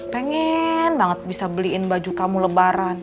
pengen banget bisa beliin baju kamu lebaran